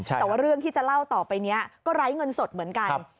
แต่ว่าเรื่องที่จะเล่าต่อไปนี้ก็ไร้เงินสดเหมือนกัน